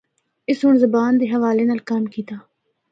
اُس سنڑ زبان دے حوالے نال کم کیتا۔